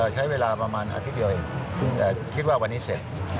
ใช้เวลาประมาณอาทิตย์เดียวเองคิดว่าวันนี้เสร็จ